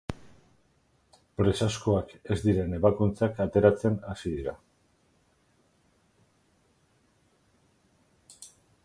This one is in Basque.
Presazkoak ez diren ebakuntzak atzeratzen hasi dira.